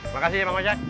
makasih ya pak ojek